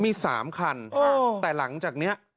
มีสามคันโอ้แต่หลังจากเนี้ย